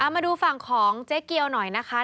มาดูฝั่งของเจ๊เกียวหน่อยนะคะ